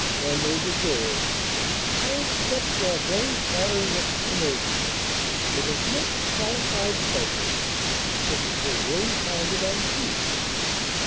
than they deserve, I accept your very flattering explanation with as much qualified pleasure as if it were really founded on truth."